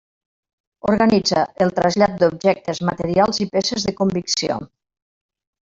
Organitza el trasllat d'objectes materials i peces de convicció.